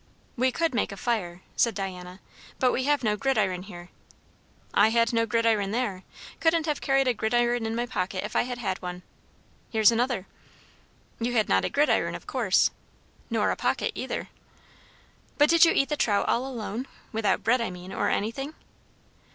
"We could make a fire," said Diana; "but we have no gridiron here." "I had no gridiron there. Couldn't have carried a gridiron in my pocket if I had had one. Here's another" "You had not a gridiron, of course." "Nor a pocket either." "But did you eat the trout all alone? without bread, I mean, or anything?"